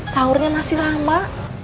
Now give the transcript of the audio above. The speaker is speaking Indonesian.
sahurnya masih lama